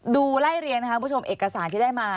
ไล่เรียงนะคะคุณผู้ชมเอกสารที่ได้มา